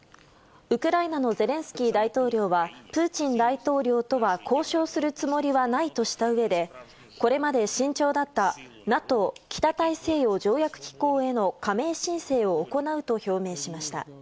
ウクライナのゼレンスキー大統領はプーチン大統領とは交渉するつもりはないとしたうえでこれまで慎重だったＮＡＴＯ・北大西洋条約機構への加盟申請を行うと表明しました。